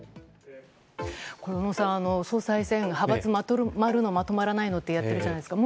小野さん総裁選、派閥まとまるのまとまらないのとやってるじゃないですか。